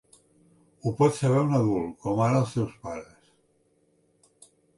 Ho pot saber un adult, com ara els teus pares.